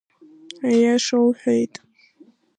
Аиаша уҳәеит.